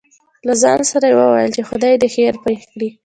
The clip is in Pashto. له ځان سره يې وويل :چې خداى دې خېر پېښ کړي.